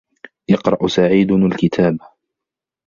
يَقْرَأُ سَعِيدٌ الْكِتَابَ.